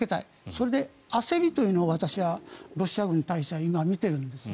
それで、焦りというのを私はロシア軍に対して今、見ているんです。